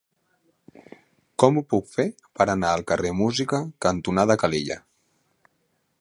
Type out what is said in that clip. Com ho puc fer per anar al carrer Música cantonada Calella?